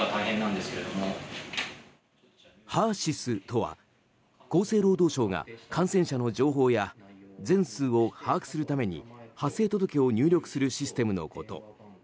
ＨＥＲ‐ＳＹＳとは厚生労働省が感染者の情報や全数を把握するために発生届を入力するシステムのこと。